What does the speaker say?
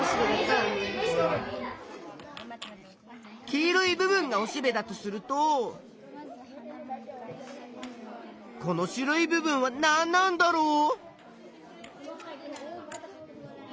黄色い部分がおしべだとするとこの白い部分はなんなんだろう？